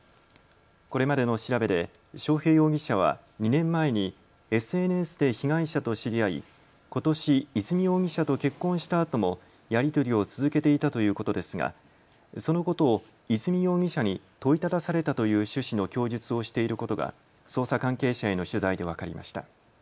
これまでの調べで章平容疑者は２年前にＳＮＳで被害者と知り合いことし和美容疑者と結婚したあともやり取りを続けていたということですがそのことを和美容疑者に問いただされたという趣旨の供述をしていることが捜査関係者への取材で分かりました。